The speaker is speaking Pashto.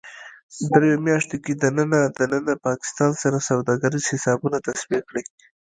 دریو میاشتو کې دننه ـ دننه پاکستان سره سوداګریز حسابونه تصفیه کړئ